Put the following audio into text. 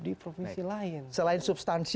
di provinsi lain selain substansi